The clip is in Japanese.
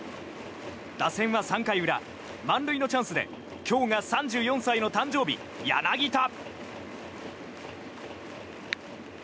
打線は３回裏満塁のチャンスで今日が３４歳の誕生日、柳田。